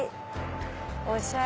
おしゃれ！